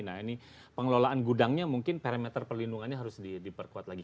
nah ini pengelolaan gudangnya mungkin parameter perlindungannya harus diperkuat lagi